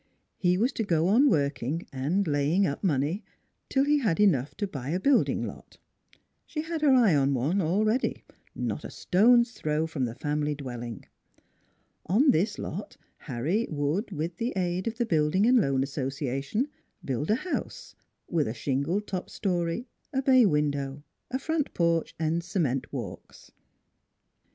He was to go on working and laying up money till he had enough to buy a building lot. She had her eye on one, already, not a stone's throw from the family dwelling. On this lot Harry would with the aid of the Build ing and Loan Association build a house, with a shingled top story, a bay window, a front porch, and cement walks.